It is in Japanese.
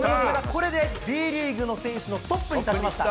これでＢリーグの選手のトップに立ちました。